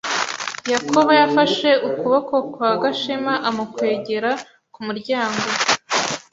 Yakobo yafashe ukuboko kwa Gashema amukwegera ku muryango.